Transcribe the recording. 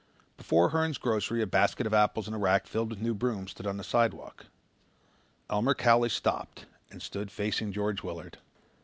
Before Hern's Grocery a basket of apples and a rack filled with new brooms stood on the sidewalk. Elmer Cowley stopped and stood facing George Willard.